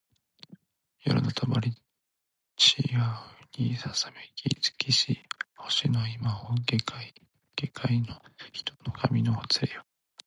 夜の帳ちやうにささめき尽きし星の今を下界げかいの人の髪のほつれよ